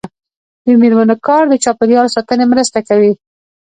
د میرمنو کار د چاپیریال ساتنې مرسته کوي.